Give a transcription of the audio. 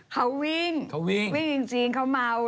เขาวิ่งวิ่งจริงเขาเมา